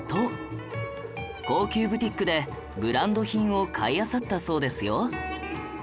高級ブティックでブランド品を買いあさったそうですよ